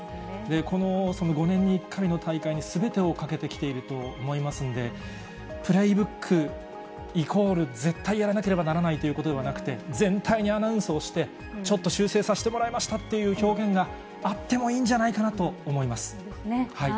この５年に１回の大会にすべてをかけてきていると思いますんで、プレイブック、イコール絶対やらなければならないということではなくて、全体にアナウンスをして、ちょっと修正させてもらいましたっていう表現があってもいいんじそうですね。